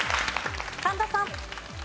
神田さん。